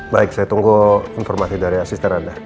baik saya tunggu informasi dari asisten anda